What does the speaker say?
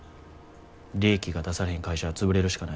利益が出されへん会社は潰れるしかない。